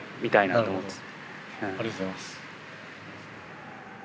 ありがとうございます。